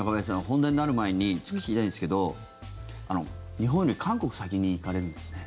本題になる前にちょっと聞きたいんですけど日本より韓国に先に行かれるんですね。